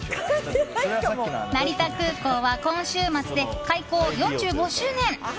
成田空港は今週末で開港４５周年。